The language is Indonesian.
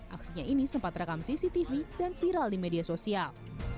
aksinya ini sempat rekam cctv dan viral di media sosial